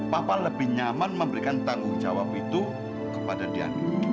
papa lebih nyaman memberikan tanggung jawab itu kepada dia